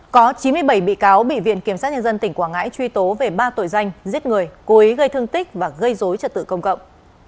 có chín mươi bảy bị cáo bị viện kiểm sát nhân dân tỉnh quảng ngãi truy tố về ba tội danh giết người cố ý gây thương tích và gây dối trật tự công cộng